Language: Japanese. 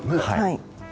はい。